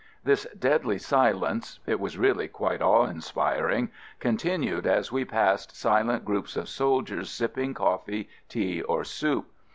This deadly silence — it was really quite awe inspiring — continued as we passed silent groups of soldiers sipping coffee, tea, or soup.